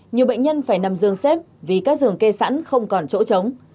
nhiều bệnh nhân phải nằm dương xếp vì các giường kê sẵn không còn chỗ chống